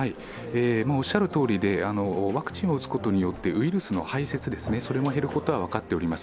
おっしゃるとおりで、ワクチンを打つことによってウイルスの排出も減ることが分かっています。